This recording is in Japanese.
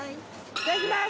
いただきます！